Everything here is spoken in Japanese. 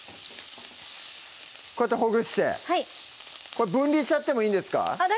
こうやってほぐしてこれ分離しちゃってもいいんですかあっ